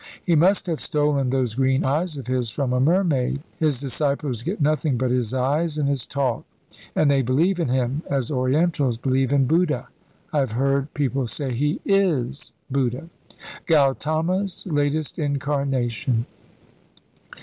He must have stolen those green eyes of his from a mermaid. His disciples get nothing but his eyes and his talk; and they believe in him as Orientals believe in Buddha. I have heard people say he is Buddha Gautama's latest incarnation."